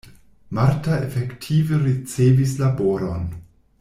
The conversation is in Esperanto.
Marta efektive ricevis laboron.